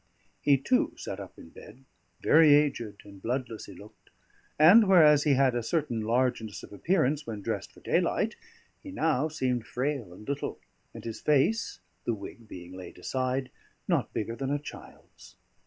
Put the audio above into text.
He, too, sat up in bed; very aged and bloodless he looked; and whereas he had a certain largeness of appearance when dressed for daylight, he now seemed frail and little, and his face (the wig being laid aside) not bigger than a child's.